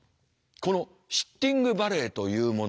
このシッティングバレーというもの